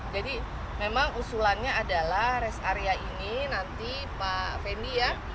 jadi memang usulannya adalah res area ini nanti pak fendi ya